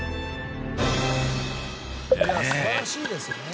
いや素晴らしいですね。